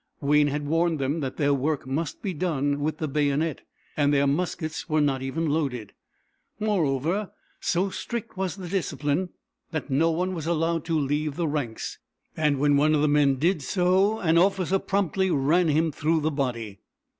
Wayne had warned them that their work must be done with the bayonet, and their muskets were not even loaded. Moreover, so strict was the discipline that no one was allowed to leave the ranks, and when one of the men did so an officer promptly ran him through the body.